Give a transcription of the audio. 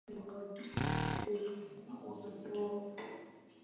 The choreography and dance routines were kept simple and jointly developed by the dancers.